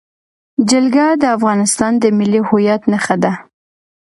جلګه د افغانستان د ملي هویت نښه ده.